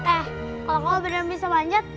eh kalau kamu beneran bisa manjat